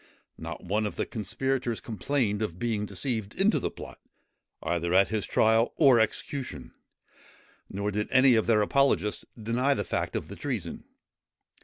Not one of the conspirators complained of being deceived into the plot, either at his trial or execution; nor did any of their apologists deny the fact of the treason.